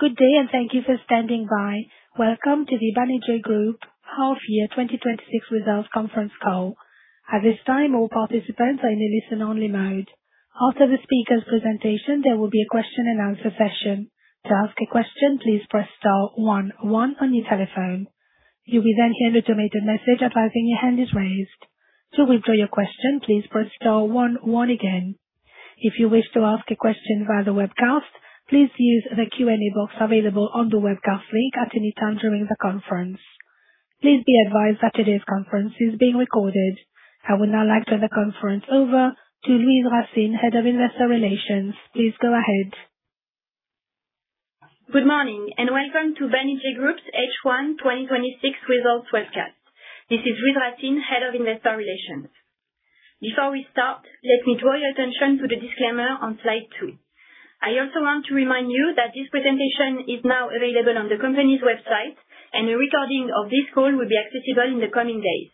Good day. Thank you for standing by. Welcome to the Banijay Group Half Year 2026 Results Conference Call. At this time, all participants are in a listen-only mode. After the speakers' presentation, there will be a question and answer session. To ask a question, please press star one one on your telephone. You will hear an automated message advising your hand is raised. To withdraw your question, please press star one one again. If you wish to ask a question via the webcast, please use the question-and-answer box available on the webcast link at any time during the conference. Please be advised that today's conference is being recorded. I would now like to hand the conference over to Louise Racine, Head of Investor Relations. Please go ahead. Good morning. Welcome to Banijay Group's H1 2026 Results Webcast. This is Louise Racine, Head of Investor Relations. Before we start, let me draw your attention to the disclaimer on slide two. I also want to remind you that this presentation is now available on the company's website. A recording of this call will be accessible in the coming days.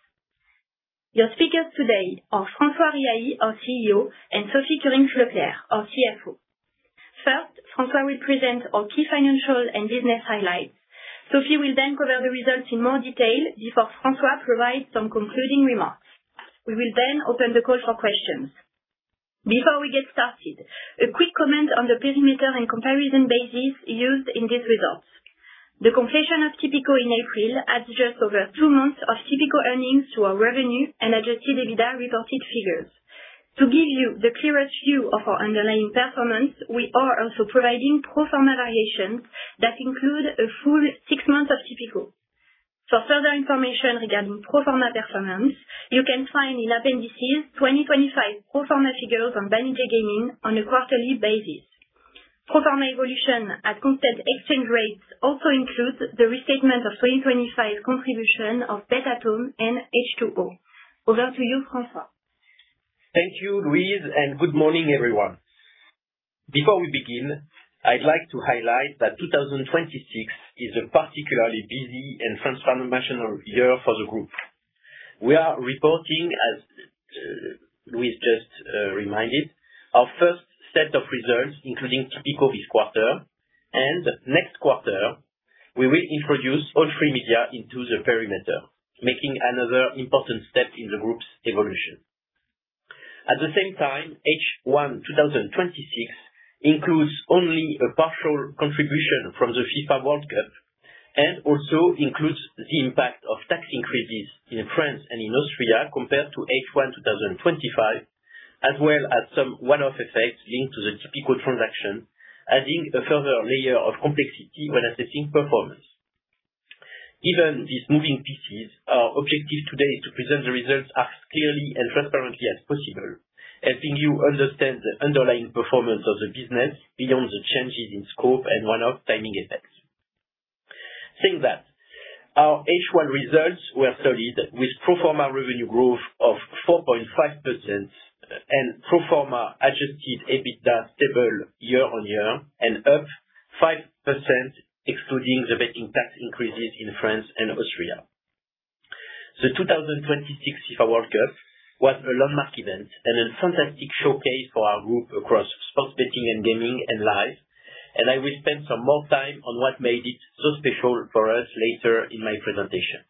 Your speakers today are François Riahi, our Chief Executive Officer, and Sophie Kurinckx-Leclerc, our Chief Financial Officer. First, François will present our key financials and business highlights. Sophie will cover the results in more detail before François provides some concluding remarks. We will open the call for questions. Before we get started, a quick comment on the perimeter and comparison basis used in these results. The completion of Tipico in April adds just over two months of Tipico earnings to our revenue and adjusted EBITDA reported figures. To give you the clearest view of our underlying performance, we are also providing pro forma variations that include a full six months of Tipico. For further information regarding pro forma performance, you can find in appendices 2025 pro forma figures on Banijay Gaming on a quarterly basis. Pro forma evolution at constant exchange rates also includes the restatement of 2025 contribution of bet-at-home and H2O. Over to you, François. Thank you, Louise. Good morning, everyone. Before we begin, I'd like to highlight that 2026 is a particularly busy and transformational year for the group. We are reporting, as Louise just reminded, our first set of results, including Tipico this quarter. Next quarter, we will introduce All3Media into the perimeter, making another important step in the group's evolution. At the same time, H1 2026 includes only a partial contribution from the FIFA World Cup and also includes the impact of tax increases in France and in Austria compared to H1 2025, as well as some one-off effects linked to the Tipico transaction, adding a further layer of complexity when assessing performance. Given these moving pieces, our objective today is to present the results as clearly and transparently as possible, helping you understand the underlying performance of the business beyond the changes in scope and one-off timing effects. Saying that, our H1 results were solid, with pro forma revenue growth of 4.5% and pro forma adjusted EBITDA stable year-over-year and up 5% excluding the betting tax increases in France and Austria. The 2026 FIFA World Cup was a landmark event and a fantastic showcase for our group across sports betting and gaming and Live. I will spend some more time on what made it so special for us later in my presentation.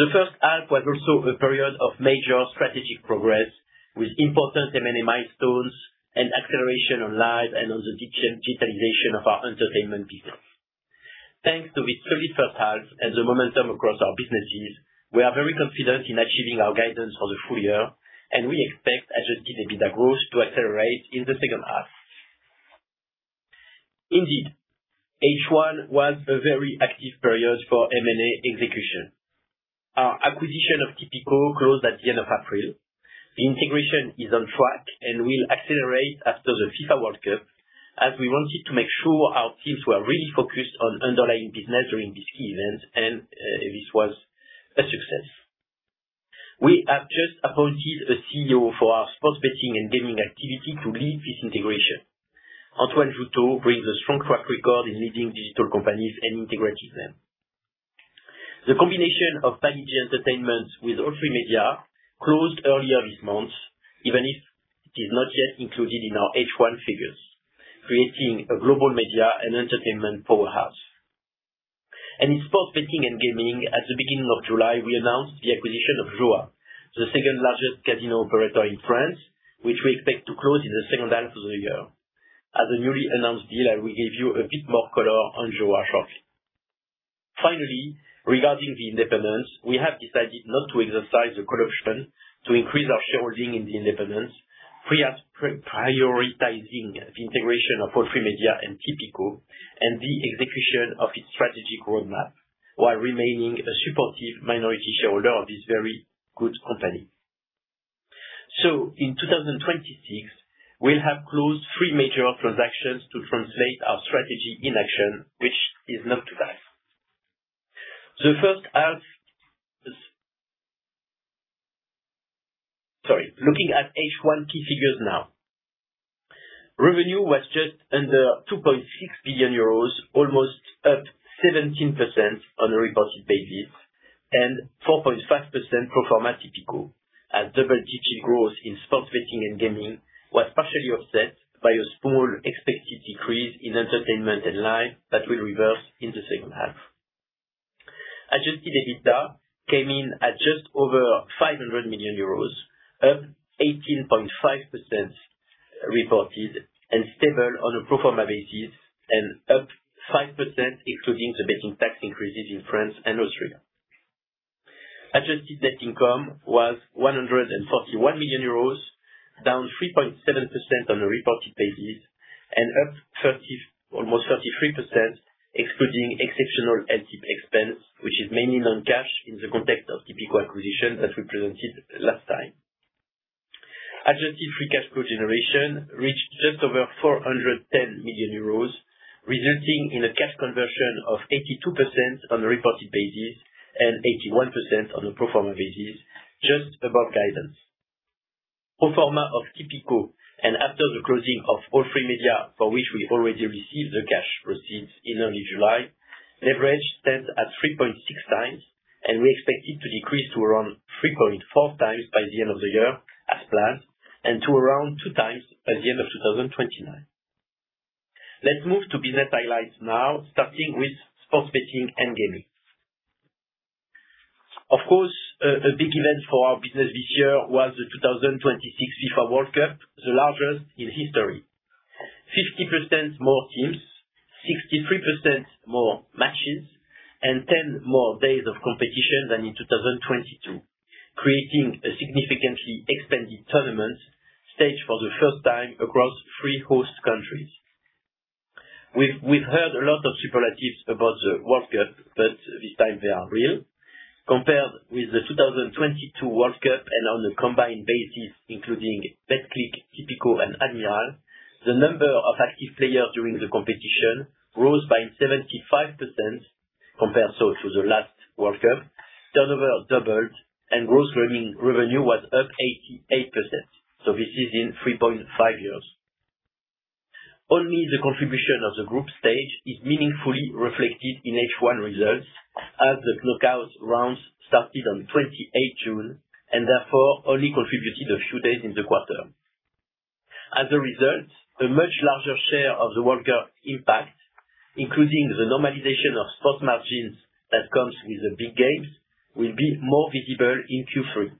The first half was also a period of major strategic progress, with important M&A milestones and acceleration on Live and on the digitalization of our entertainment business. Thanks to this really first half and the momentum across our businesses. We are very confident in achieving our guidance for the full year, and we expect adjusted EBITDA growth to accelerate in the second half. Indeed, H1 was a very active period for M&A execution. Our acquisition of Tipico closed at the end of April. The integration is on track and will accelerate after the FIFA World Cup, as we wanted to make sure our teams were really focused on underlying business during this key event, and this was a success. We have just appointed a Chief Executive Officer for our sports betting and gaming activity to lead this integration. Antoine Jouteau brings a strong track record in leading digital companies and integrating them. The combination of Banijay Entertainment with All3Media closed earlier this month, even if it is not yet included in our H1 figures, creating a global media and entertainment powerhouse. In sports betting and gaming, at the beginning of July, we announced the acquisition of JOA, the second-largest casino operator in France, which we expect to close in the second half of the year. As a newly announced deal, I will give you a bit more color on JOA shortly. Finally, regarding The Independents, we have decided not to exercise the call option to increase our shareholding in The Independents. We are prioritizing the integration of All3Media and Tipico and the execution of its strategic roadmap while remaining a supportive minority shareholder of this very good company. In 2026, we'll have closed three major transactions to translate our strategy in action, which is not too bad. Looking at H1 key figures now. Revenue was just under 2.6 billion euros, almost up 17% on a reported basis. 4.5% pro forma Tipico, as double-digit growth in sports betting and gaming was partially offset by a small expected decrease in entertainment and Live that will reverse in the second half. Adjusted EBITDA came in at just over 500 million euros, up 18.5% reported and stable on a pro forma basis, and up 5% excluding the betting tax increases in France and Austria. Adjusted net income was 141 million euros, down 3.7% on a reported basis and up almost 33%, excluding exceptional LTIP expense, which is mainly non-cash in the context of Tipico acquisition, as we presented last time. Adjusted free cash flow generation reached just over 410 million euros, resulting in a cash conversion of 82% on a reported basis and 81% on a pro forma basis, just above guidance. Pro forma of Tipico and after the closing of All3Media, for which we already received the cash proceeds in early July, leverage stands at 3.6x and we expect it to decrease to around 3.4x by the end of the year as planned, and to around 2x by the end of 2029. Let's move to business highlights now, starting with sports betting and gaming. Of course, a big event for our business this year was the 2026 FIFA World Cup, the largest in history. 50% more teams, 63% more matches and 10 more days of competition than in 2022, creating a significantly expanded tournament staged for the first time across three host countries. We've heard a lot of superlatives about the World Cup, but this time they are real. Compared with the 2022 World Cup and on a combined basis, including Betclic, Tipico and Admiral, the number of active players during the competition rose by 75%, compare so to the last World Cup. Turnover doubled and gross revenue was up 88%. This is in 3.5 years. Only the contribution of the group stage is meaningfully reflected in H1 results as the knockout rounds started on June 28 and therefore only contributed a few days in the quarter. As a result, a much larger share of the World Cup impact, including the normalization of sports margins that comes with the big games, will be more visible in Q3.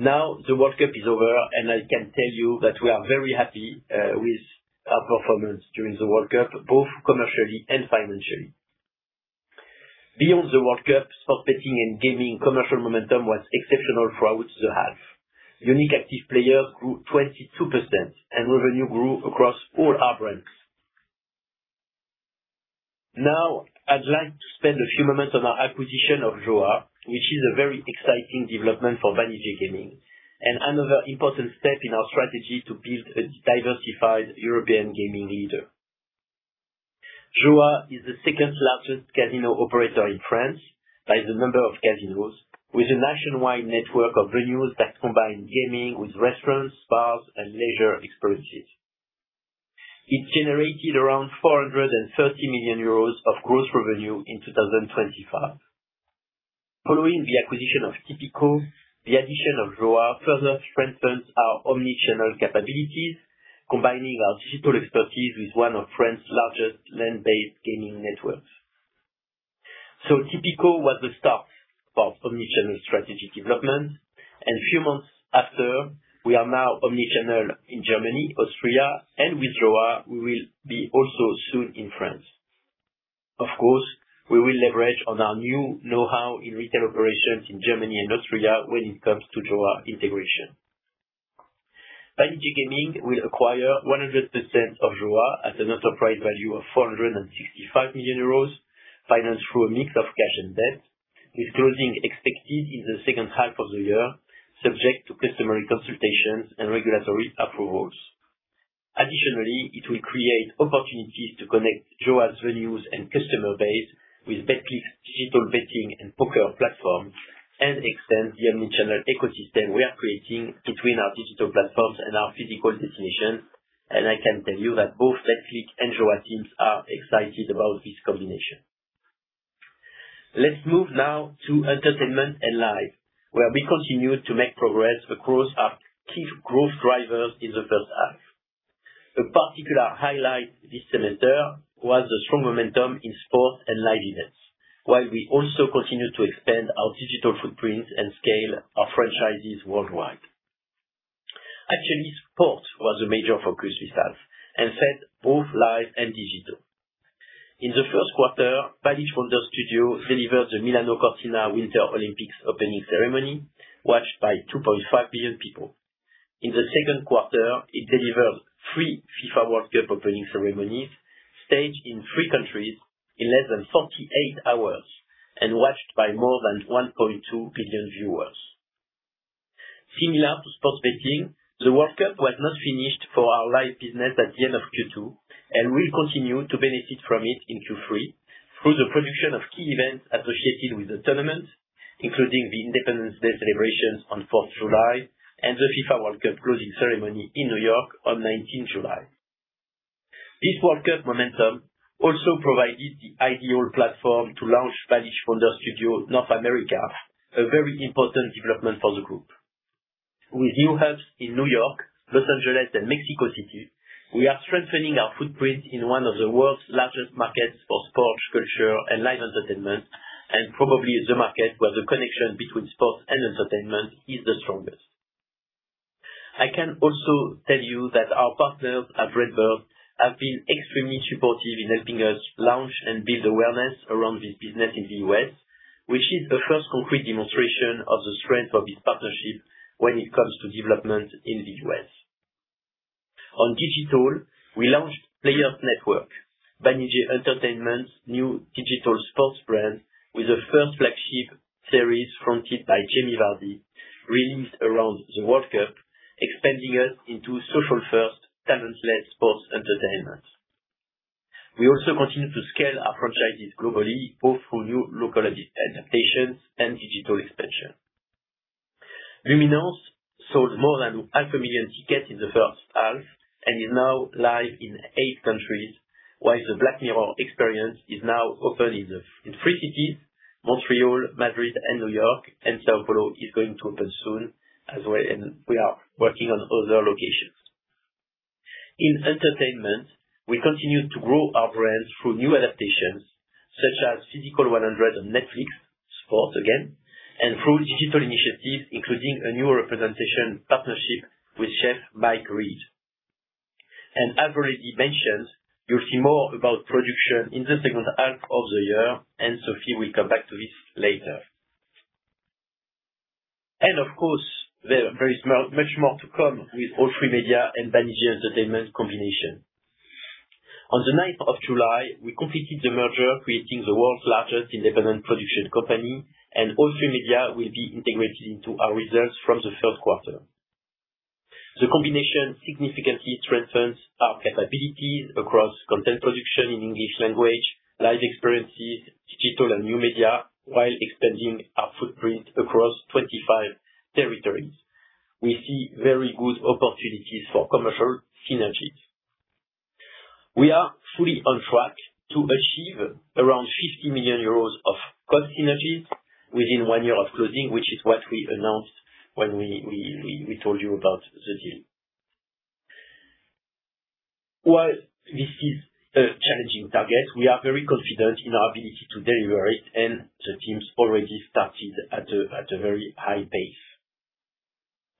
Now the World Cup is over, and I can tell you that we are very happy with our performance during the World Cup, both commercially and financially. Beyond the World Cup, sports betting and gaming commercial momentum was exceptional throughout the half. Unique active players grew 22% and revenue grew across all our brands. Now I'd like to spend a few moments on our acquisition of JOA, which is a very exciting development for Banijay Gaming and another important step in our strategy to build a diversified European gaming leader. JOA is the second largest casino operator in France by the number of casinos, with a nationwide network of venues that combine gaming with restaurants, bars and leisure experiences. It generated around 430 million euros of gross revenue in 2025. Following the acquisition of Tipico, the addition of JOA further strengthens our omnichannel capabilities, combining our digital expertise with one of France's largest land-based gaming networks. Tipico was the start of omnichannel strategy development, and a few months after, we are now omnichannel in Germany, Austria, and with JOA, we will be also soon in France. Of course, we will leverage on our new knowhow in retail operations in Germany and Austria when it comes to JOA integration. Banijay Gaming will acquire 100% of JOA at an enterprise value of 465 million euros, financed through a mix of cash and debt, with closing expected in the second half of the year, subject to customary consultations and regulatory approvals. Additionally, it will create opportunities to connect JOA's venues and customer base with Betclic's digital betting and poker platform, and extend the omnichannel ecosystem we are creating between our digital platforms and our physical destinations. I can tell you that both Betclic and JOA teams are excited about this combination. Let's move now to entertainment and live, where we continued to make progress across our key growth drivers in the first half. A particular highlight this semester was the strong momentum in sports and live events. We also continued to expand our digital footprint and scale our franchises worldwide. Actually, sports was a major focus this half and at both live and digital. In the first quarter, Balich Wonder Studio delivered the Milano Cortina Winter Olympics opening ceremony, watched by 2.5 billion people. In the second quarter, it delivered three FIFA World Cup opening ceremonies staged in three countries in less than 48 hours and watched by more than 1.2 billion viewers. Similar to sports betting, the World Cup was not finished for our live business at the end of Q2, and we'll continue to benefit from it in Q3 through the production of key events associated with the tournament, including the Independence Day celebrations on fourth July and the FIFA World Cup closing ceremony in New York on July 19th. This World Cup momentum also provided the ideal platform to launch Banijay Studios North America, a very important development for the group. With new hubs in New York, L.A., and Mexico City, we are strengthening our footprint in one of the world's largest markets for sports, culture, and live entertainment, probably the market where the connection between sports and entertainment is the strongest. I can also tell you that our partners at RedBird IMI have been extremely supportive in helping us launch and build awareness around this business in the U.S., which is the first concrete demonstration of the strength of this partnership when it comes to development in the U.S. On digital, we launched Players Network, Banijay Entertainment's new digital sports brand, with a first flagship series fronted by Jamie Vardy released around the World Cup, expanding us into social-first talent-led sports entertainment. We also continue to scale our franchises globally, both through new localized adaptations and digital expansion. Luminiscence sold more than half a million tickets in the first half and is now live in eight countries, while the Black Mirror experience is now open in three cities, Montreal, Madrid, and New York. São Paulo is going to open soon as well. We are working on other locations. In entertainment, we continue to grow our brands through new adaptations such as Physical 100 on Netflix, sports again, and through digital initiatives, including a new representation partnership with chef Mike Reid. As already mentioned, you'll see more about production in the second half of the year. Sophie will come back to this later. Of course, there is much more to come with All3Media and Banijay Entertainment combination. On July 9th, we completed the merger, creating the world's largest independent production company. All3Media will be integrated into our results from the first quarter. The combination significantly strengthens our capabilities across content production in English language, live experiences, digital and new media, while expanding our footprint across 25 territories. We see very good opportunities for commercial synergies. We are fully on track to achieve around 50 million euros of cost synergies within one year of closing, which is what we announced when we told you about the deal. While this is a challenging target, we are very confident in our ability to deliver it, the team's already started at a very high pace.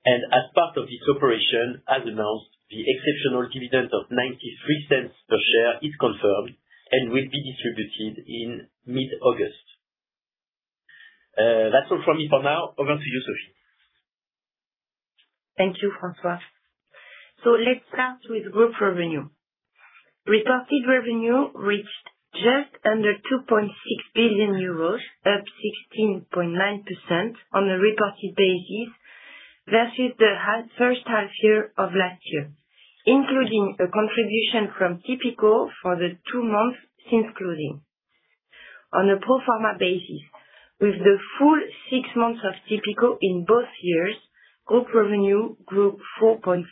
As part of this operation, as announced, the exceptional dividend of 0.93 per share is confirmed and will be distributed in mid-August. That's all from me for now. Over to you, Sophie. Thank you, François. Let's start with group revenue. Reported revenue reached just under 2.6 billion euros, up 16.9% on a reported basis versus the first half year of last year, including a contribution from Tipico for the two months since closing. On a pro forma basis, with the full six months of Tipico in both years, group revenue grew 4.5%.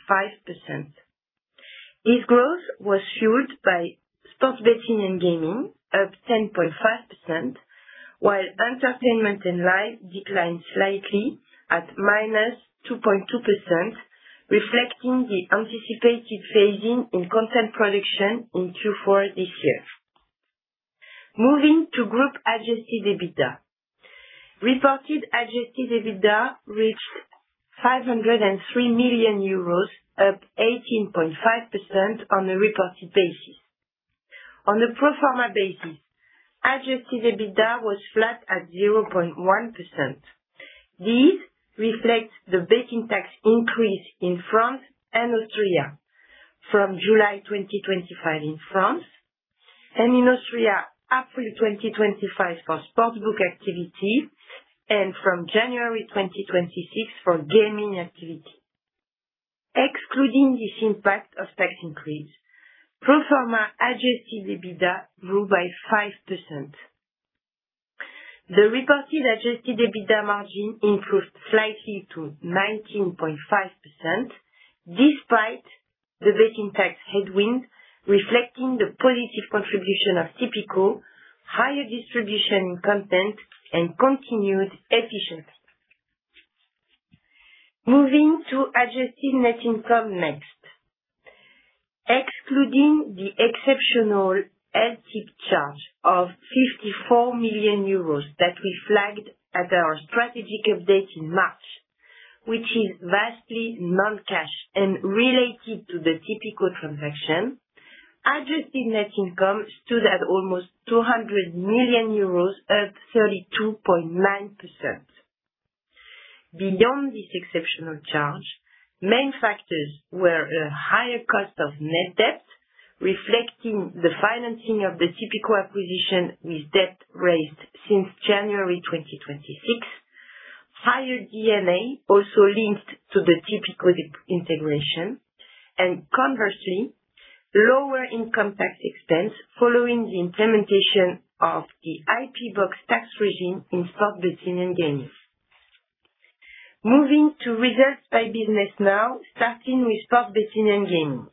This growth was fueled by sports betting and gaming up 10.5%, while entertainment and live declined slightly at -2.2%, reflecting the anticipated phasing in content production in Q4 this year. Moving to group adjusted EBITDA. Reported adjusted EBITDA reached 503 million euros, up 18.5% on a reported basis. On a pro forma basis, adjusted EBITDA was flat at 0.1%. These reflect the betting tax increase in France and Austria from July 2025 in France, and in Austria, April 2025 for sportsbook activity, and from January 2026 for gaming activity. Excluding this impact of tax increase, pro forma adjusted EBITDA grew by 5%. The reported adjusted EBITDA margin improved slightly to 19.5%, despite the betting tax headwind, reflecting the positive contribution of Tipico, higher distribution in content, and continued efficiency. Moving to adjusted net income next. Excluding the exceptional LTIP charge of 54 million euros that we flagged at our strategic update in March, which is vastly non-cash and related to the Tipico transaction, adjusted net income stood at almost 200 million euros, up 32.9%. Beyond this exceptional charge, main factors were a higher cost of net debt, reflecting the financing of the Tipico acquisition with debt raised since January 2026. Higher D&A also linked to the Tipico integration and conversely, lower income tax expense following the implementation of the IP box tax regime in Sports Betting and Gaming. Moving to results by business now, starting with Sports Betting and Gaming.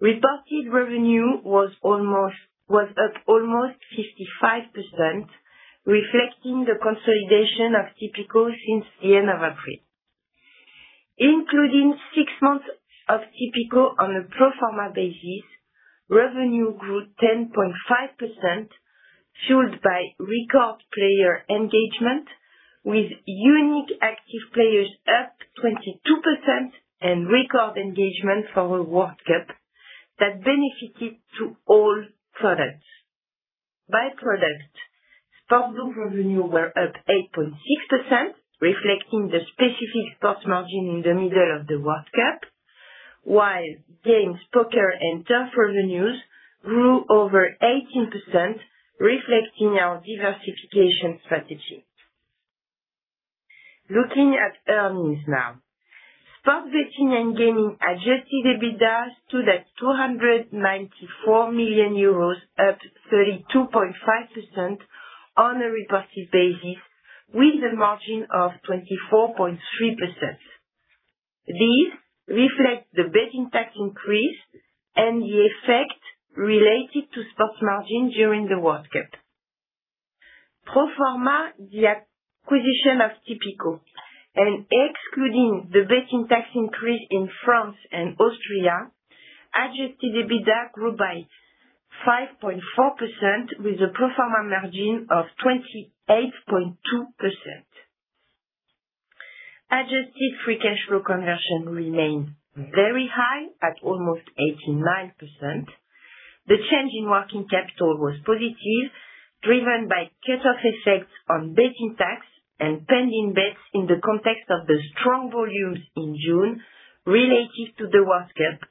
Reported revenue was up almost 55%, reflecting the consolidation of Tipico since the end of April. Including six months of Tipico on a pro forma basis, revenue grew 10.5%, fueled by record player engagement, with unique active players up 22% and record engagement for a World Cup that benefited to all products. By product, sports book revenue were up 8.6%, reflecting the specific sports margin in the middle of the World Cup, while games, poker, and turf revenues grew over 18%, reflecting our diversification strategy. Looking at earnings now. Sports Betting and Gaming adjusted EBITDA stood at 294 million euros, up 32.5% on a reported basis with a margin of 24.3%. These reflect the betting tax increase and the effect related to sports margin during the World Cup. Pro forma, the acquisition of Tipico and excluding the betting tax increase in France and Austria, adjusted EBITDA grew by 5.4% with a pro forma margin of 28.2%. Adjusted free cash flow conversion remains very high at almost 89%. The change in working capital was positive, driven by cut-off effects on betting tax and pending bets in the context of the strong volumes in June relative to the World Cup,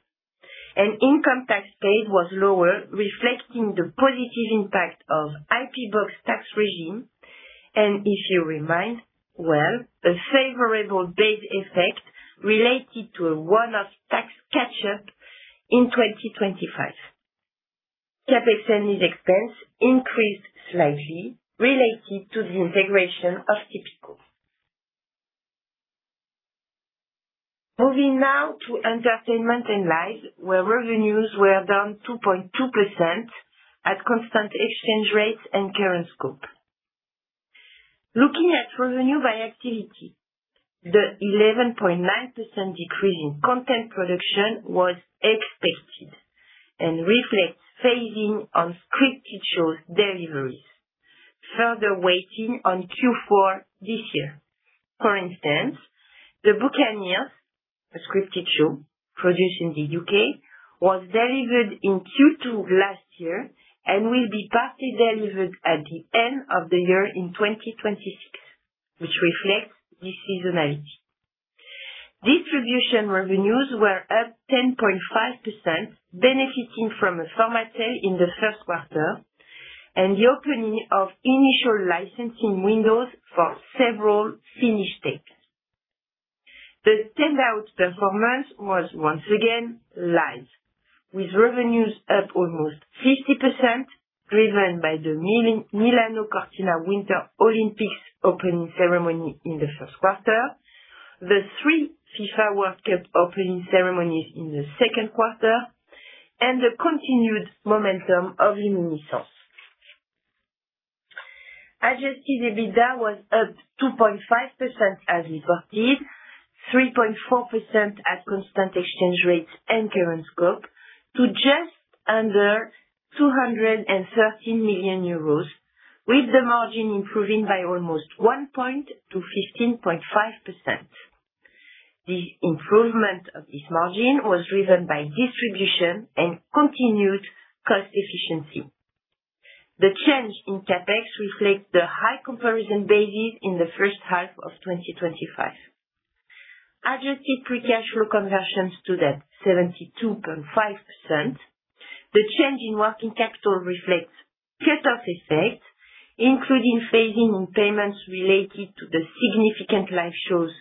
income tax paid was lower, reflecting the positive impact of IP Box tax regime. If you remind, well, a favorable base effect related to a one-off tax catch-up in 2025. CapEx and lease expense increased slightly related to the integration of Tipico. Moving now to Entertainment & Live, where revenues were down 2.2% at constant exchange rates and current scope. Looking at revenue by activity, the 11.9% decrease in content production was expected and reflects phasing on scripted shows deliveries, further weighting on Q4 this year. For instance, "The Buccaneers," a scripted show produced in the U.K., was delivered in Q2 last year and will be partly delivered at the end of the year in 2026, which reflects this seasonality. Distribution revenues were up 10.5%, benefiting from a format sale in the first quarter, and the opening of initial licensing windows for several finished titles. The standout performance was once again Live, with revenues up almost 50%, driven by the Milano Cortina Winter Olympics opening ceremony in the first quarter, the three FIFA World Cup opening ceremonies in the second quarter, and the continued momentum of "Renaissance." Adjusted EBITDA was up 2.5% as reported, 3.4% at constant exchange rates and current scope to just under 213 million euros, with the margin improving by almost one point to 15.5%. The improvement of this margin was driven by distribution and continued cost efficiency. The change in CapEx reflects the high comparison basis in the first half of 2025. Adjusted free cash flow conversion stood at 72.5%. The change in working capital reflects cut-off effects, including phasing on payments related to the significant live shows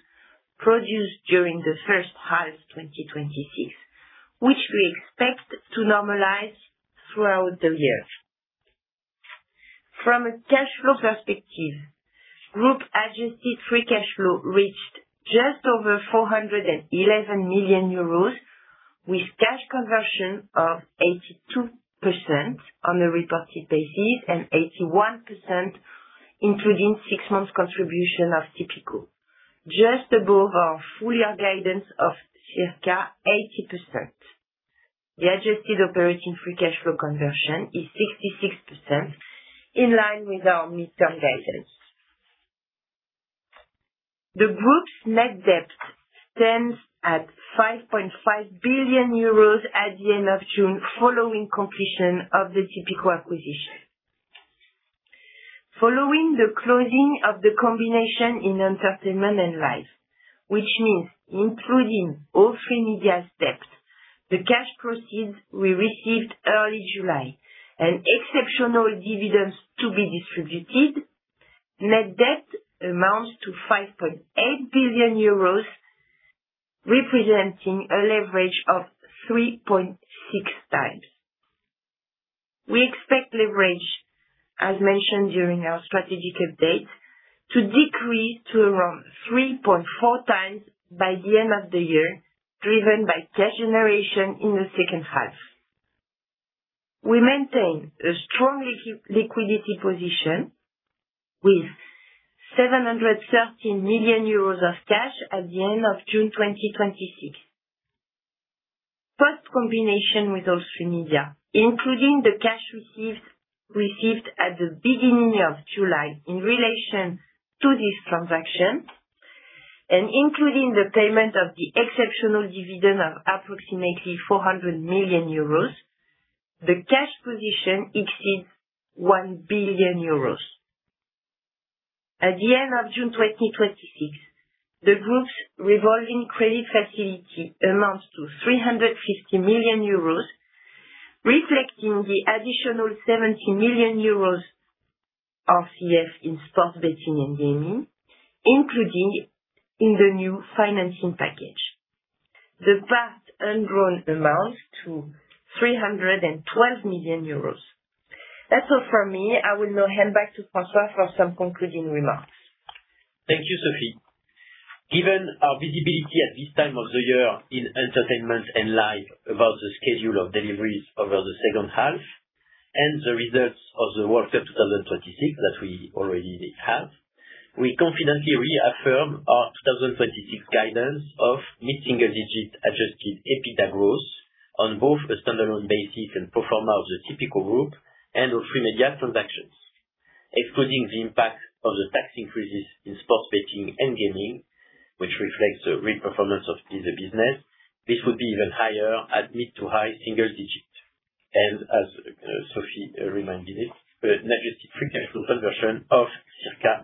produced during the first half 2026, which we expect to normalize throughout the year. From a cash flow perspective, group-adjusted free cash flow reached just over 411 million euros, with cash conversion of 82% on a reported basis and 81% including six months contribution of Tipico, just above our full-year guidance of circa 80%. The adjusted operating free cash flow conversion is 66%, in line with our midterm guidance. The group's net debt stands at 5.5 billion euros at the end of June following completion of the Tipico acquisition. Following the closing of the combination in Entertainment and Live, which means including All3Media, the cash proceeds we received early July, and exceptional dividends to be distributed, net debt amounts to 5.8 billion euros, representing a leverage of 3.6x. We expect leverage, as mentioned during our strategic update, to decrease to around 3.4x by the end of the year, driven by cash generation in the second half. We maintain a strong liquidity position with 713 million euros of cash at the end of June 2026. First combination with All3Media, including the cash received at the beginning of July in relation to this transaction, including the payment of the exceptional dividend of approximately 400 million euros, the cash position exceeds 1 billion euros. At the end of June 2026, the group's revolving credit facility amounts to 350 million euros, reflecting the additional 70 million euros RCF in sports betting and gaming, including in the new financing package. The vast undrawn amounts to 312 million euros. That's all from me. I will now hand back to François for some concluding remarks. Thank you, Sophie. Given our visibility at this time of the year in entertainment and Live about the schedule of deliveries over the second half, the results of the World Cup 2026 that we already have, we confidently reaffirm our 2026 guidance of mid-single digit adjusted EBITDA growth on both a standalone basis and pro forma of the Tipico Group and All3Media transactions. Excluding the impact of the tax increases in sports betting and gaming, which reflects the real performance of the business, this would be even higher at mid to high single digits. As Sophie reminded us, an adjusted free cash flow conversion of circa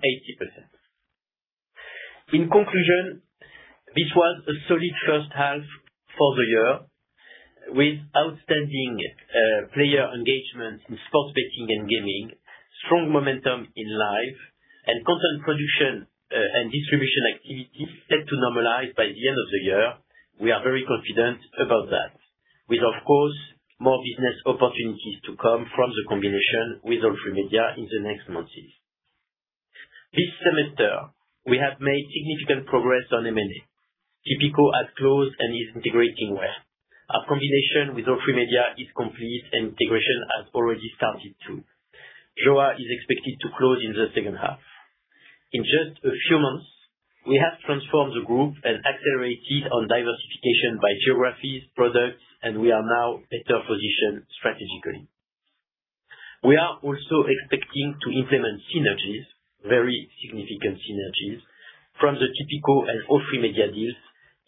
80%. In conclusion, this was a solid first half for the year, with outstanding player engagement in sports betting and gaming, strong momentum in Live, and content production and distribution activities set to normalize by the end of the year. We are very confident about that. With, of course, more business opportunities to come from the combination with All3Media in the next months. This semester, we have made significant progress on M&A. Tipico has closed and is integrating well. Our combination with All3Media is complete and integration has already started, too. JOA is expected to close in the second half. In just a few months, we have transformed the group and accelerated on diversification by geographies, products, and we are now better positioned strategically. We are also expecting to implement synergies, very significant synergies, from the Tipico and All3Media deals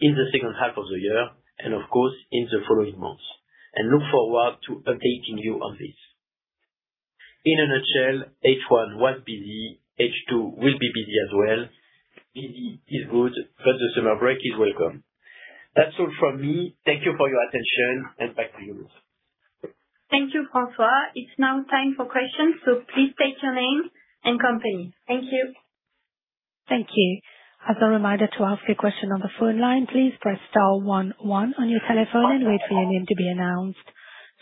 in the second half of the year and, of course, in the following months. Look forward to updating you on this. In a nutshell, H1 was busy. H2 will be busy as well. Busy is good, but the summer break is welcome. That's all from me. Thank you for your attention and back to you. Thank you, François. It's now time for questions. Please state your name and company. Thank you. Thank you. As a reminder to ask a question on the phone line, please press star one one on your telephone and wait for your name to be announced.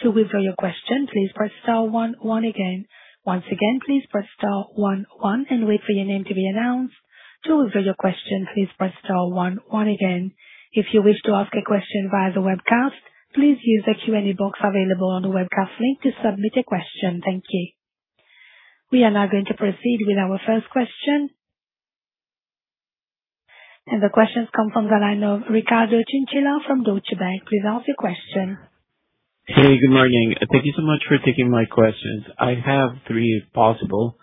To withdraw your question, please press star one one again. Once again, please press star one one and wait for your name to be announced. To withdraw your question, please press star one one again. If you wish to ask a question via the webcast, please use the question-and-answer box available on the webcast link to submit a question. Thank you. We are now going to proceed with our first question. The question comes from the line of Ricardo Chinchilla from Deutsche Bank. Please ask your question. Hey, good morning. Thank you so much for taking my questions. I have three if possible.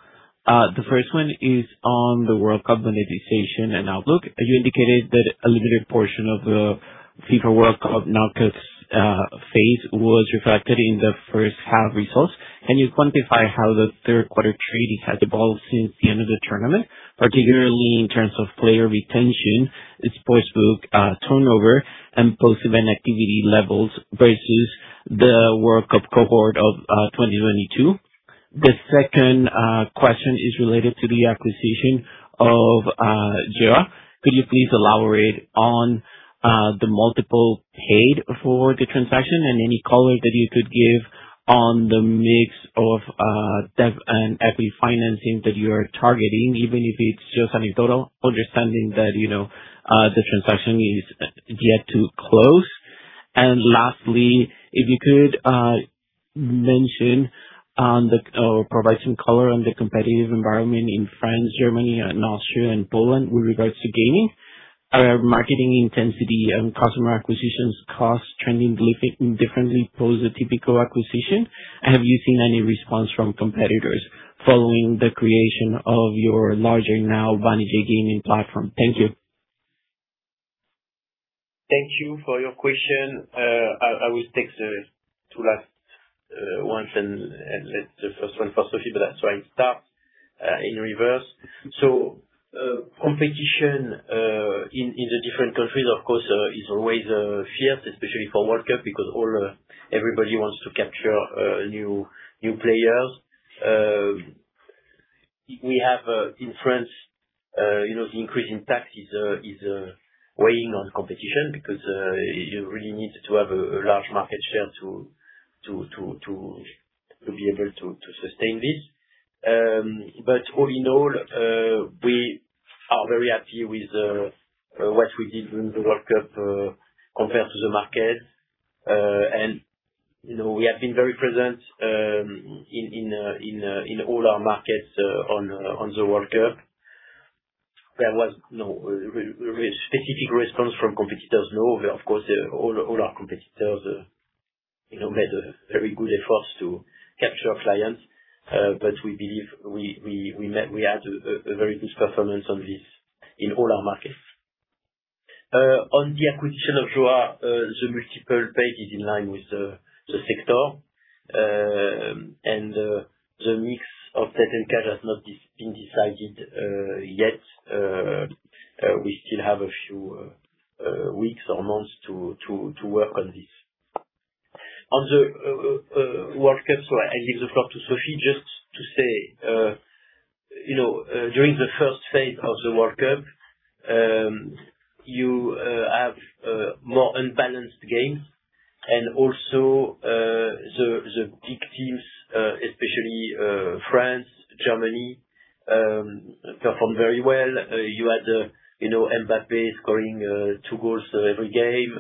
The first one is on the World Cup monetization and outlook. You indicated that a limited portion of the FIFA World Cup knockout phase was reflected in the first half results. Can you quantify how the third quarter trading has evolved since the end of the tournament, particularly in terms of player retention, its sports book turnover, and post-event activity levels versus the World Cup cohort of 2022? The second question is related to the acquisition of JOA. Could you please elaborate on the multiple paid for the transaction and any color that you could give on the mix of debt and equity financing that you are targeting, even if it's just an in total understanding that the transaction is yet to close? Lastly, if you could mention or provide some color on the competitive environment in France, Germany, Austria, and Poland with regards to gaming. Are marketing intensity and customer acquisitions costs trending differently post the Tipico acquisition? Have you seen any response from competitors following the creation of your larger now Banijay Gaming platform? Thank you. Thank you for your question. I will take the two last ones and let the first one for Sophie. That's why it starts in reverse. Competition in the different countries, of course, is always fierce, especially for World Cup, because everybody wants to capture new players. We have in France, the increase in tax is weighing on competition because you really need to have a large market share to be able to sustain this. All in all, we are very happy with what we did during the World Cup compared to the market. We have been very present in all our markets on the World Cup. There was no specific response from competitors, no. Of course, all our competitors made a very good effort to capture clients. We believe we had a very good performance on this in all our markets. On the acquisition of JOA, the multiple pay is in line with the sector. The mix of table cash has not been decided yet. We still have a few weeks or months to work on this. On the World Cup, I give the floor to Sophie just to say, during the first phase of the World Cup, you have more unbalanced games and also the big teams, especially France, Germany, performed very well. You had Mbappe scoring two goals every game.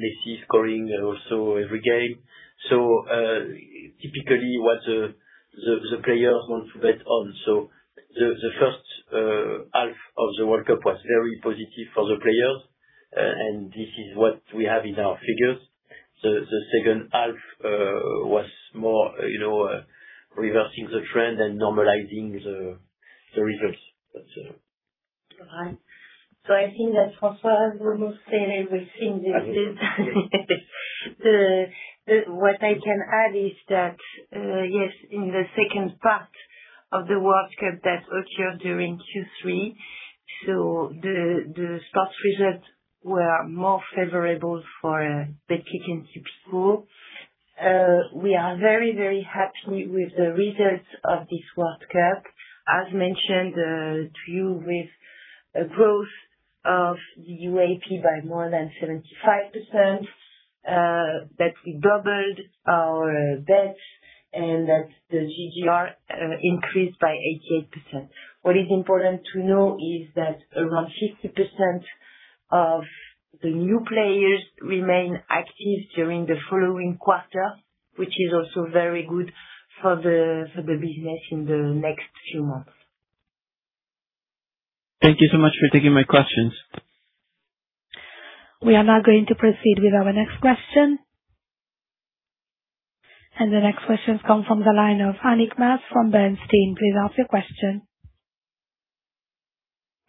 Messi scoring also every game. Typically what the players want to bet on. The first half of the World Cup was very positive for the players, and this is what we have in our figures. The second half was more reversing the trend and normalizing the results. All right. I think that François has almost said everything. What I can add is that, yes, in the second part of the World Cup that occurred during Q3, the sports results were more favorable for Betclic. We are very happy with the results of this World Cup. As mentioned, to you with a growth of the UAP by more than 75%, that we doubled our bets and that the GGR increased by 88%. What is important to know is that around 50% of the new players remain active during the following quarter, which is also very good for the business in the next few months. Thank you so much for taking my questions. We are now going to proceed with our next question. The next question comes from the line of Annick Maas from Bernstein. Please ask your question.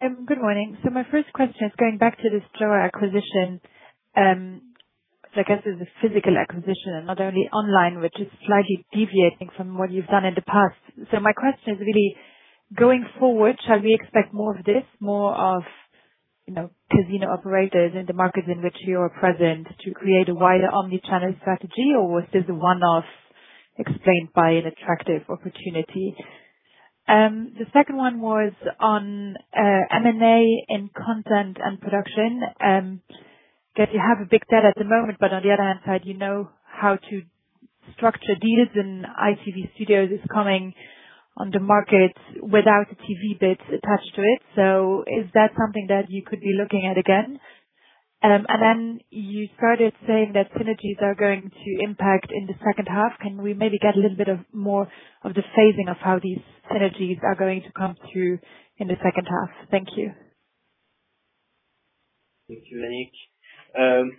Good morning. My first question is going back to this JOA acquisition. I guess it is a physical acquisition and not only online, which is slightly deviating from what you have done in the past. My question is really, going forward, shall we expect more of this? More of casino operators in the markets in which you are present to create a wider omnichannel strategy, or was this a one-off explained by an attractive opportunity? The second one was on M&A in content and production. I guess you have a big debt at the moment, but on the other hand, side, you know how to structure deals and ITV Studios is coming on the market without a TV bid attached to it. Is that something that you could be looking at again? Then you started saying that synergies are going to impact in the second half. Can we maybe get a little bit of more of the phasing of how these synergies are going to come through in the second half? Thank you. Thank you, Annick.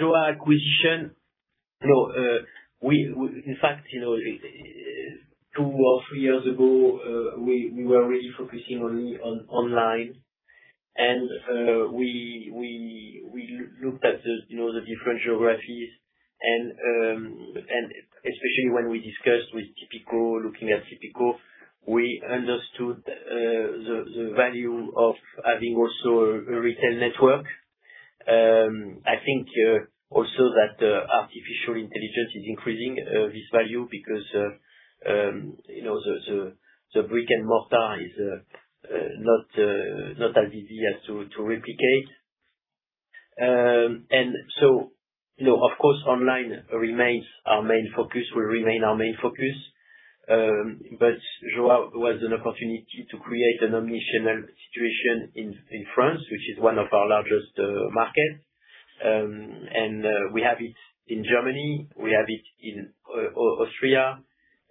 JOA acquisition. No, in fact, two or three years ago, we were really focusing only on online. We looked at the different geographies and especially when we discussed with Tipico, looking at Tipico, we understood the value of having also a retail network. I think also that artificial intelligence is increasing this value because the brick and mortar is not as easy as to replicate. Of course, online remains our main focus, will remain our main focus. JOA was an opportunity to create an omnichannel situation in France, which is one of our largest markets. We have it in Germany, we have it in Austria.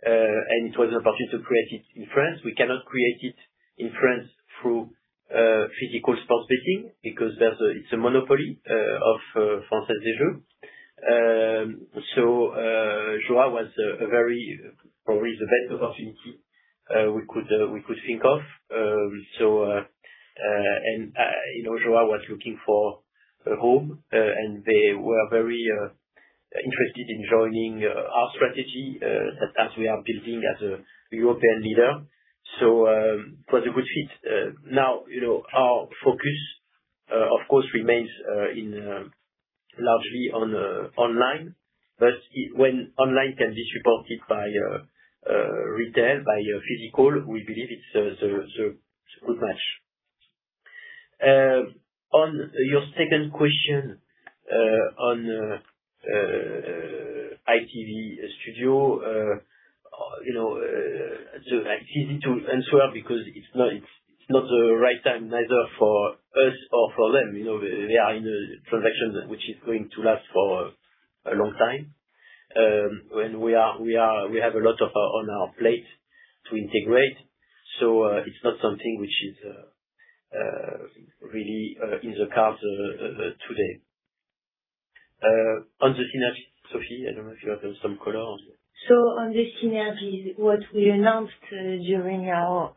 It was an opportunity to create it in France. We cannot create it in France through physical sports betting because it is a monopoly of Française des Jeux. JOA was a very, probably the best opportunity we could think of. JOA was looking for a home, and they were very interested in joining our strategy as we are building as a European leader. It was a good fit. Our focus of course remains largely on online. When online can be supported by retail, by physical, we believe it is a good match. On your second question, on ITV Studios. It is easy to answer because it is not the right time either for us or for them. They are in a transaction which is going to last for a long time. We have a lot on our plate to integrate, so it is not something which is really in the cards today. On the synergy, Sophie, I do not know if you have some color on that. On the synergies, what we announced during our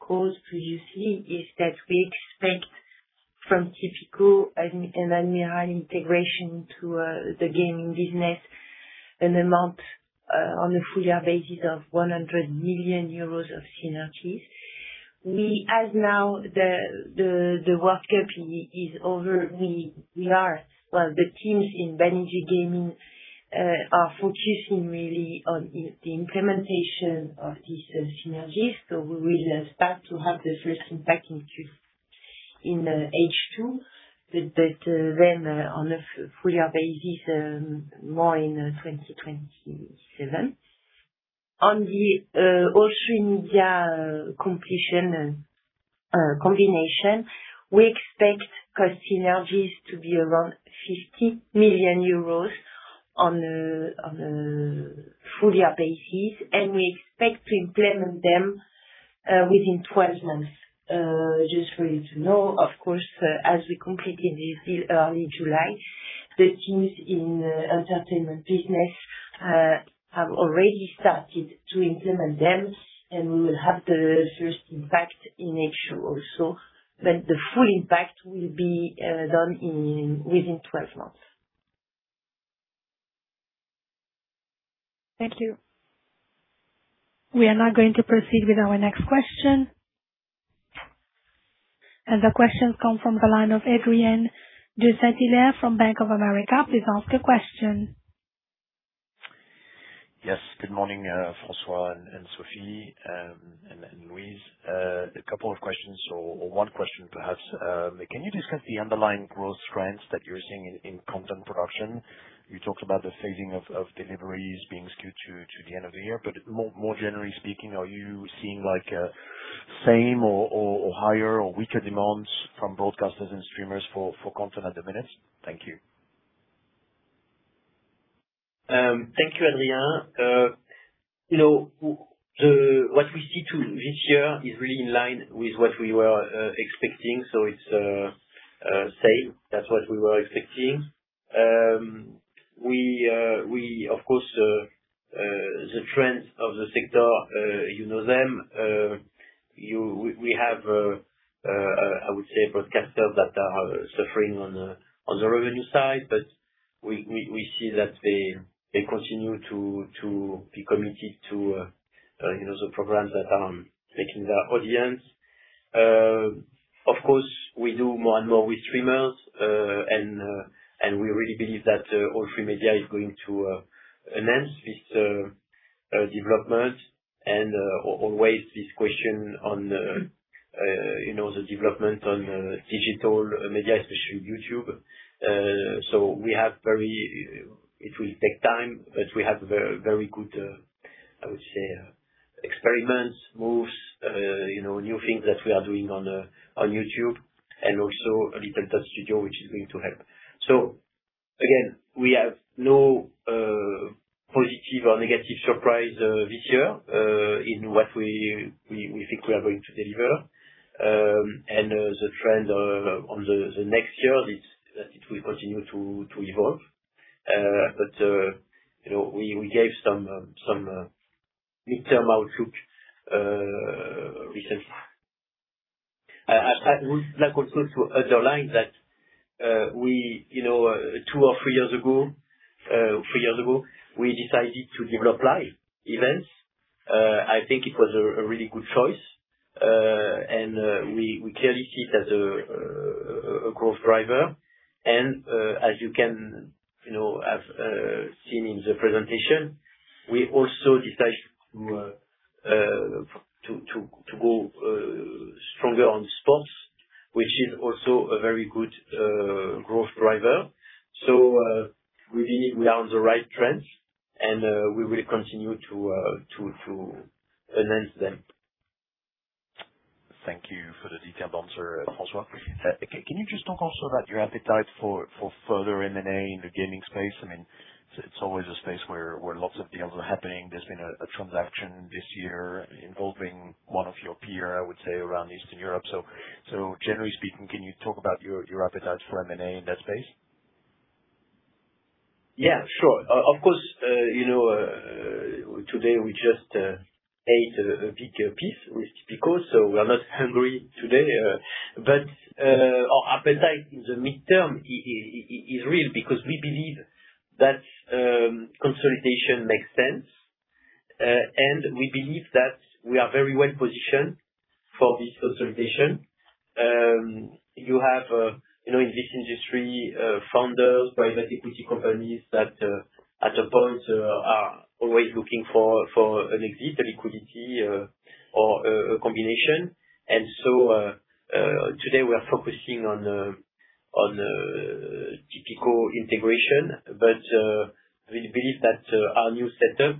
calls to you, Steve, is that we expect from Tipico and Admiral integration to the gaming business an amount on a full-year basis of 100 million euros of synergies. As now the World Cup is over, the teams in Banijay Gaming are focusing really on the implementation of these synergies. We will start to have the first impact in H2. On a full-year basis, more in 2027. On the All3Media combination, we expect cost synergies to be around 50 million euros on a full-year basis, and we expect to implement them within 12 months. Just for you to know, of course, as we completed this deal early July, the teams in entertainment business have already started to implement them, and we will have the first impact in H2 also. The full impact will be done within 12 months. Thank you. We are now going to proceed with our next question. The question comes from the line of Adrien de Saint Hilaire from Bank of America. Please ask a question. Yes. Good morning, François, Sophie, and Louise. A couple of questions or one question perhaps. Can you discuss the underlying growth trends that you're seeing in content production? You talked about the phasing of deliveries being skewed to the end of the year. More generally speaking, are you seeing same or higher or weaker demands from broadcasters and streamers for content at the minute? Thank you. Thank you, Adrien. What we see to this year is really in line with what we were expecting. It's same. That's what we were expecting. Of course, the trends of the sector, you know them. We have, I would say, broadcasters that are suffering on the revenue side, we see that they continue to be committed to the programs that are making their audience. Of course, we do more and more with streamers. We really believe that All3Media is going to enhance this development, always this question on the development on digital media, especially YouTube. It will take time, we have very good, I would say, experiments, moves, new things that we are doing on YouTube, and also Little Dot Studios, which is going to help. Again, we have no positive or negative surprise this year in what we think we are going to deliver. The trend on the next year is that it will continue to evolve. We gave some midterm outlook recently. I would like also to underline that two or three years ago, we decided to develop live events. I think it was a really good choice. We clearly see it as a growth driver. As you have seen in the presentation, we also decided to go stronger on sports, which is also a very good growth driver. Really, we are on the right trends, we will continue to enhance them. Thank you for the detailed answer, François. Can you just talk also about your appetite for further M&A in the gaming space? It's always a space where lots of deals are happening. There's been a transaction this year involving one of your peer, I would say, around Eastern Europe. Generally speaking, can you talk about your appetite for M&A in that space? Yeah, sure. Of course, today we just ate a big piece with Tipico, so we are not hungry today. Our appetite in the midterm is real because we believe that consolidation makes sense. We believe that we are very well positioned for this consolidation. You have, in this industry, founders, private equity companies that at a point are always looking for an exit, a liquidity, or a combination. Today we are focusing on Tipico integration, but we believe that our new setup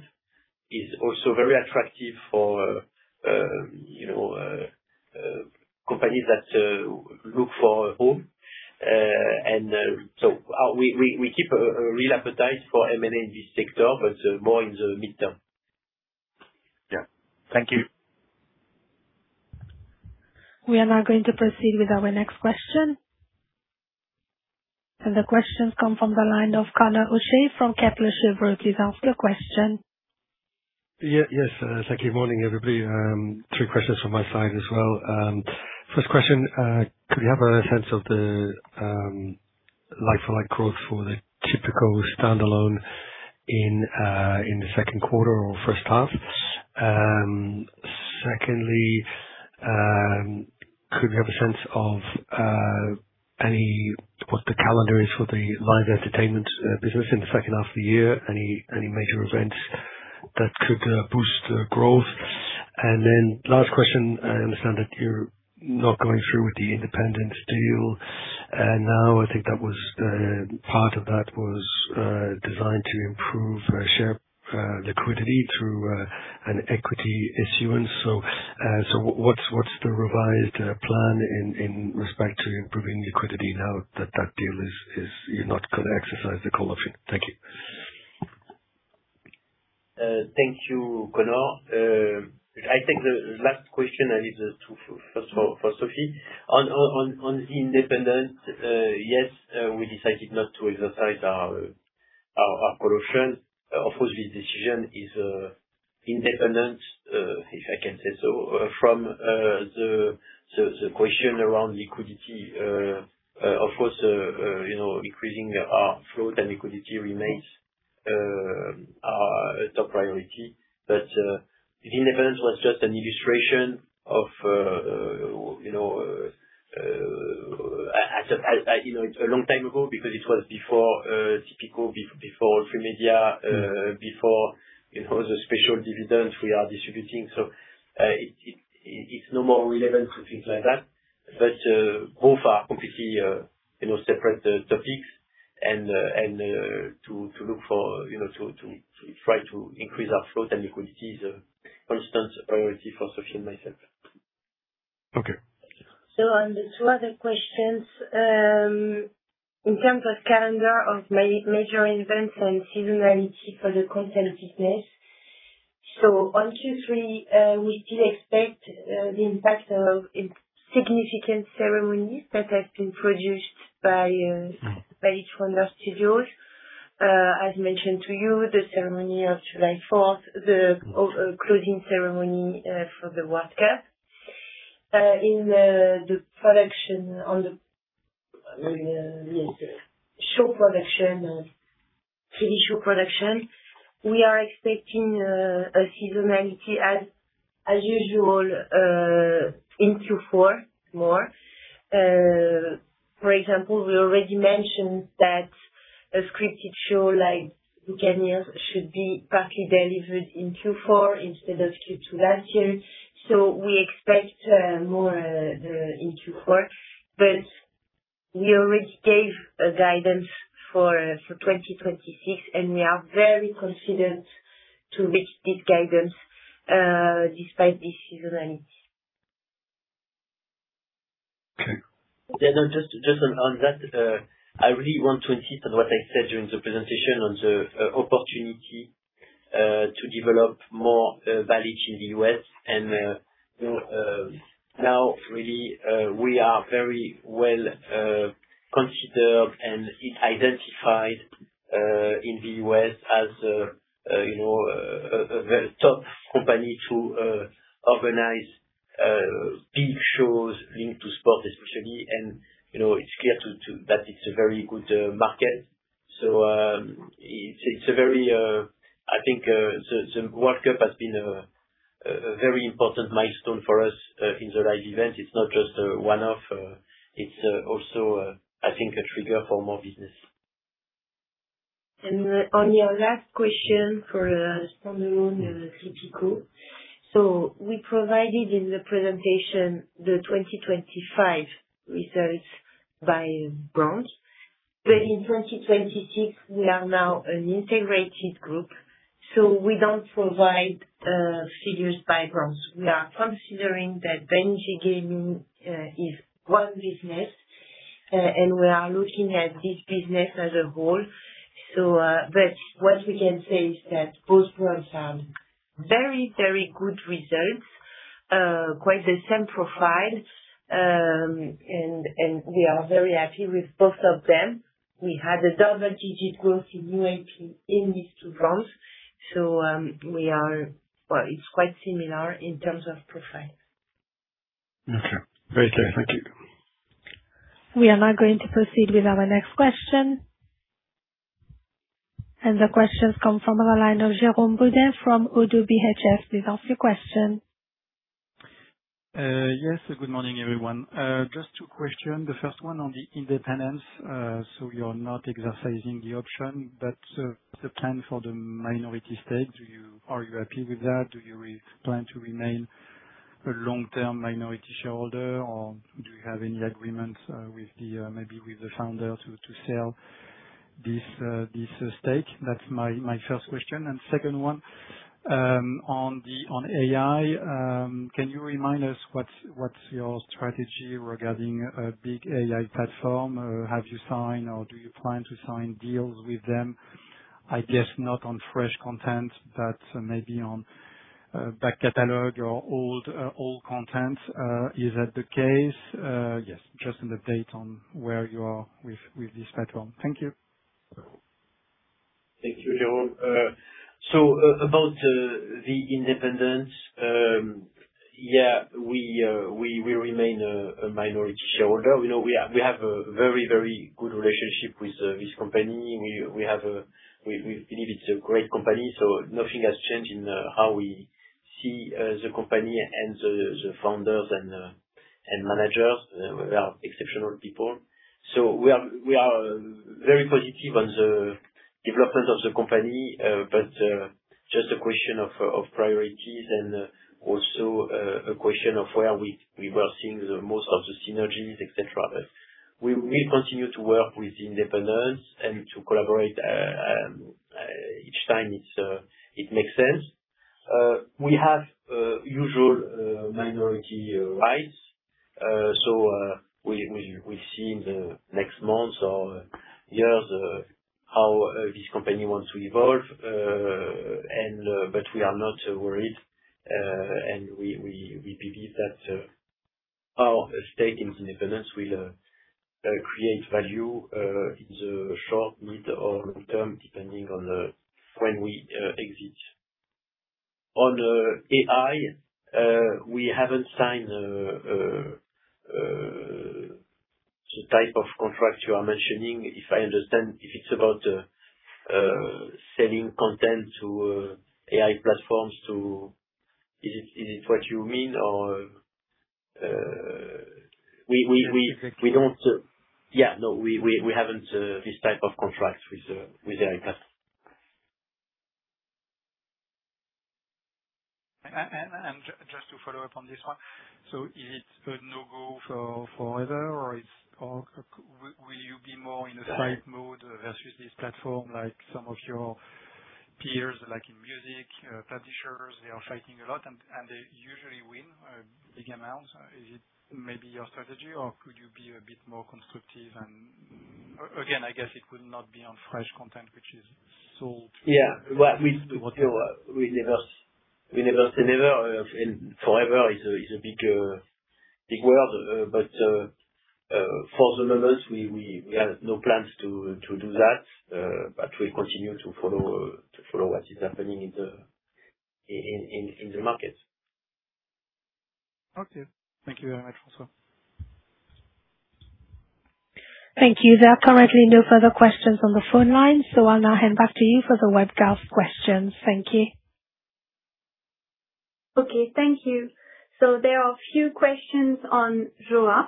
is also very attractive for companies that look for a home. We keep a real appetite for M&A in this sector, but more in the midterm. Yeah. Thank you. We are now going to proceed with our next question. The question come from the line of Conor O'Shea from Kepler Cheuvreux. Please ask your question. Yes. Thank you. Morning, everybody. Three questions from my side as well. First question, could we have a sense of the like-for-like growth for the Tipico standalone in the second quarter or first half? Secondly, could we have a sense of what the calendar is for the live entertainment business in the second half of the year? Any major events that could boost growth? Last question, I understand that you're not going through with The Independents deal. I think part of that was designed to improve share liquidity through an equity issuance. What's the revised plan in respect to improving liquidity now that you're not going to exercise the call option? Thank you. Thank you, Conor. I think the last question I leave first for Sophie. On The Independents, yes, we decided not to exercise our call option. Of course, this decision is independent, if I can say so, from the question around liquidity. Of course, increasing our flow and liquidity remains our top priority. The Independents was just an illustration of a long time ago because it was before Tipico, before All3Media, before the special dividends we are distributing. It's no more relevant for things like that. Both are completely separate topics and to try to increase our flow and liquidity is a constant priority for Sophie and myself. Okay. On the two other questions, in terms of calendar of major events and seasonality for the content business. On Q3, we still expect the impact of significant ceremonies that have been produced by each one of our studios. As mentioned to you, the ceremony of July 4th, the closing ceremony for the World Cup. In the TV show production, we are expecting a seasonality as usual into four more. For example, we already mentioned that a scripted show like "The Buccaneers" should be partly delivered in Q4 instead of Q2 last year. We expect more into Q4, but we already gave a guidance for 2026, and we are very confident to reach this guidance despite the seasonality. Okay. Yeah. No, just on that, I really want to insist on what I said during the presentation on the opportunity to develop more mileage in the U.S. Really, we are very well-considered, and it's identified in the U.S. as the top company to organize big shows linked to sport especially. It's clear that it's a very good market. I think the World Cup has been a very important milestone for us in the live event. It's not just a one-off. It's also, I think, a trigger for more business. On your last question for standalone Tipico. We provided in the presentation the 2025 results by branch. In 2026 we are now an integrated group, we don't provide figures by branch. We are considering that Banijay Gaming is one business, we are looking at this business as a whole. What we can say is that both brands have very good results, quite the same profile, we are very happy with both of them. We had a double-digit growth in UAP in these two brands. It's quite similar in terms of profile. Okay. Very clear. Thank you. We are now going to proceed with our next question. The question comes from the line of Jérôme Bodin from Oddo BHF. Please ask your question. Yes. Good morning, everyone. Just two question. The first one on The Independents. You're not exercising the option, but the plan for the minority stake, are you happy with that? Do you plan to remain a long-term minority shareholder, or do you have any agreements, maybe with the founder to sell this stake? That's my first question. Second one, on AI, can you remind us what's your strategy regarding a big AI platform? Have you signed or do you plan to sign deals with them? I guess not on fresh content, but maybe on back catalog or old content. Is that the case? Yes, just an update on where you are with this platform. Thank you. Thank you, Jérôme. About The Independents, yeah, we remain a minority shareholder. We have a very good relationship with this company. We believe it's a great company, nothing has changed in how we see the company and the founders and managers. They are exceptional people. We are very positive on the development of the company, but just a question of priorities and also a question of where we were seeing the most of the synergies, et cetera. We will continue to work with The Independents and to collaborate each time it makes sense. We have usual minority rights. We'll see in the next months or years how this company wants to evolve. But we are not worried, we believe that our stake in The Independents will create value in the short, mid, or long-term, depending on when we exit. On AI, we haven't signed the type of contract you are mentioning. If I understand, if it's about selling content to AI platforms, is it what you mean? Exactly. Yeah. No, we haven't this type of contract with AI platform. Just to follow up on this one. Is it a no-go forever, or will you be more in a fight mode versus this platform like some of your peers, like in music, publishers, they are fighting a lot, and they usually win big amounts. Is it maybe your strategy, or could you be a bit more constructive? Again, I guess it would not be on fresh content. Yeah. We never say never, and forever is a big world. For the moment, we have no plans to do that. We continue to follow what is happening in the market. Okay. Thank you very much, François. Thank you. There are currently no further questions on the phone line, I'll now hand back to you for the WebEx questions. Thank you. Okay. Thank you. There are a few questions on JOA.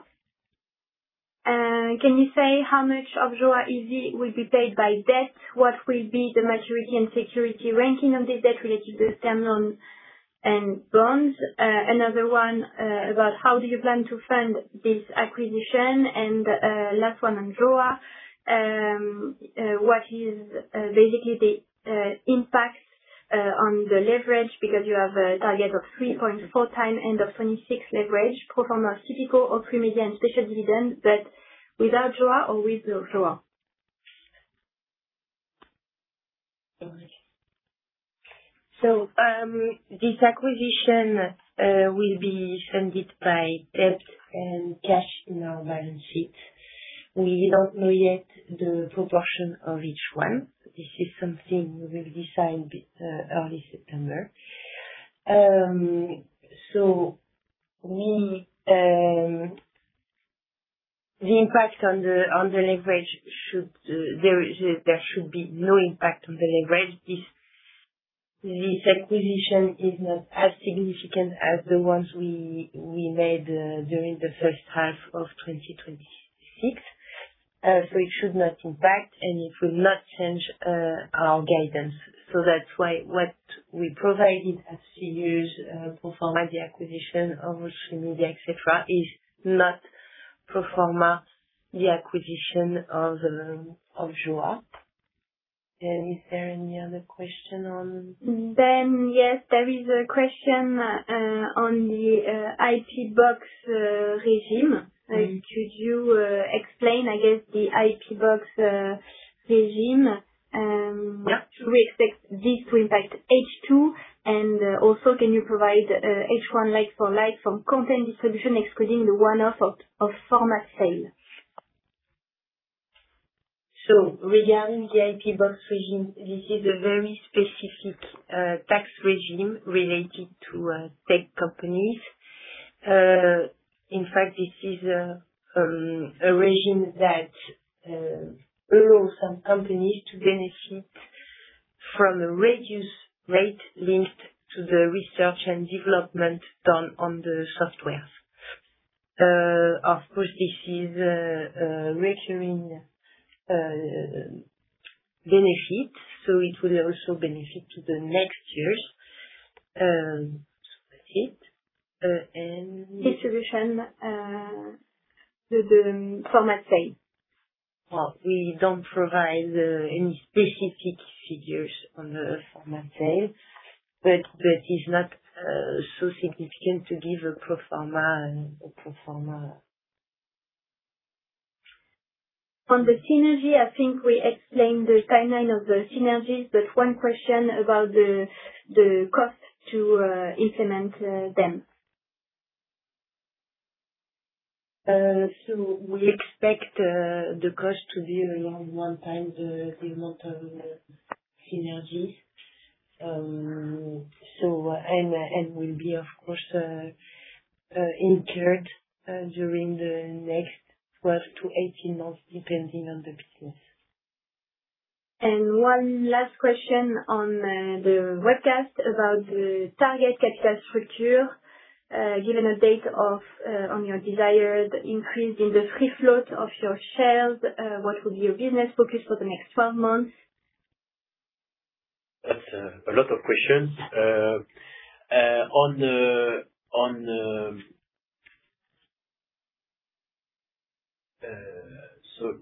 Can you say how much of JOA [ac] will be paid by debt? What will be the maturity and security ranking of this debt related to the term loan and bonds? Another one about how do you plan to fund this acquisition? Last one on JOA, what is basically the impact on the leverage because you have a target of 3.4x end of 2026 leverage, pro forma Tipico or pre-media and special dividend, but without JOA or with JOA? This acquisition will be funded by debt and cash in our balance sheet. We don't know yet the proportion of each one. This is something we will decide early September. The impact on the leverage, there should be no impact on the leverage. This acquisition is not as significant as the ones we made during the first half of 2026. It should not impact, and it will not change our guidance. That's why what we provided as C-use pro forma the acquisition of All3Media, et cetera, is not pro forma the acquisition of JOA. Is there any other question on? yes, there is a question on the IP Box regime. Could you explain, I guess, the IP Box regime? Yeah. Do we expect this to impact H2? Also, can you provide H1 like for like from content distribution, excluding the one-off of format sale? Regarding the IP Box regime, this is a very specific tax regime related to tech companies. In fact, this is a regime that allows some companies to benefit from a reduced rate linked to the research and development done on the software. Of course, this is a recurring benefit, it will also benefit to the next years. That's it. Anne? Distribution. The format sale. We don't provide any specific figures on the format sale, that is not so significant to give a pro forma. On the synergy, I think we explained the timeline of the synergies, one question about the cost to implement them. We expect the cost to be around one time the amount of synergy. Will be, of course, incurred during the next 12 months-18 months, depending on the business. One last question on the webcast about the target capital structure. Given update on your desired increase in the free float of your shares, what will be your business focus for the next 12 months? That's a lot of questions.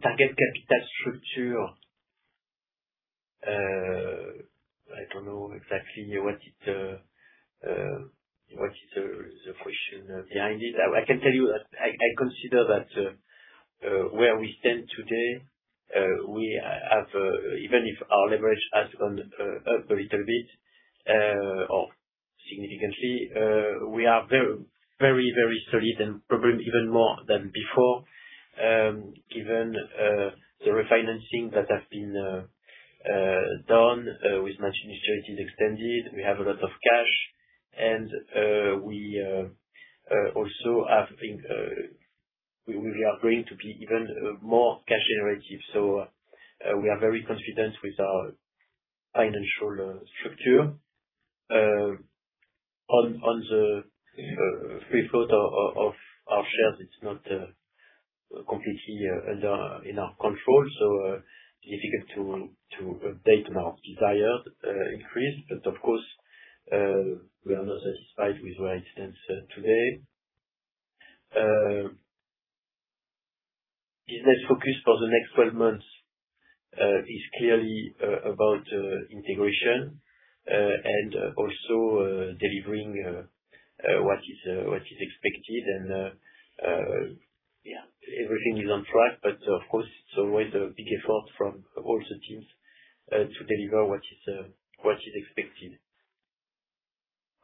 Target capital structure, I don't know exactly what is the question behind it. I can tell you that I consider that where we stand today, even if our leverage has gone up a little bit, or significantly, we are very, very solid and probably even more than before, given the refinancing that has been done with maturity extended. We have a lot of cash and we are going to be even more cash generative. We are very confident with our financial structure. On the free float of our shares, it's not completely in our control, difficult to update on our desired increase. Of course, we are not satisfied with where it stands today. Business focus for the next 12 months is clearly about integration, and also delivering what is expected and, yeah, everything is on track, but of course, it's always a big effort from all the teams to deliver what is expected.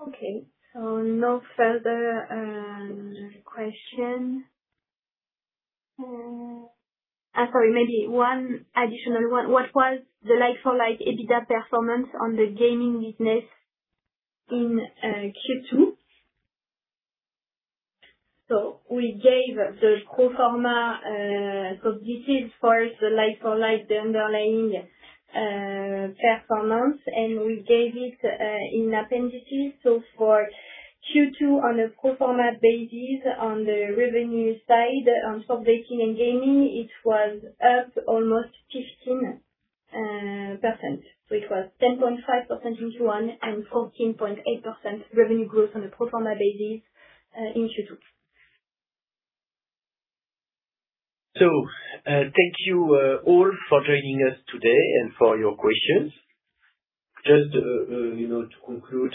Okay. No further questions. Sorry, maybe one additional one. What was the like-for-like EBITDA performance on the gaming business in Q2? We gave the pro forma. This is for the like-for-like underlying performance, and we gave it in appendices. For Q2 on a pro forma basis, on the revenue side, on sports betting and gaming, it was up almost 15%. It was 10.5% Q1 and 14.8% revenue growth on a pro forma basis in Q2. Thank you all for joining us today and for your questions. Just to conclude,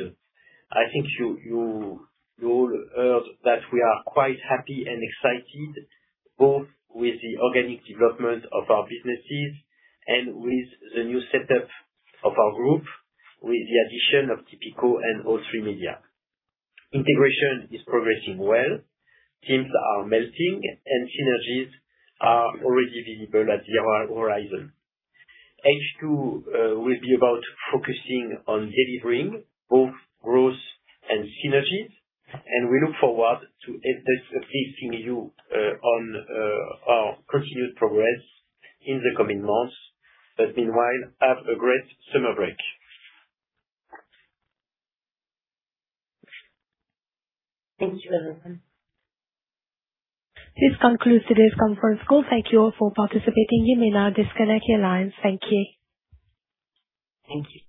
I think you all heard that we are quite happy and excited both with the organic development of our businesses and with the new setup of our group with the addition of Tipico and All3Media. Integration is progressing well. Teams are melting and synergies are already visible at the horizon. H2 will be about focusing on delivering both growth and synergies, and we look forward to updating you on our continued progress in the coming months. Meanwhile, have a great summer break. Thank you, everyone. This concludes today's conference call. Thank you all for participating. You may now disconnect your lines. Thank you. Thank you.